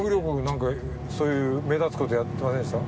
何かそういう目立つことやってませんでした？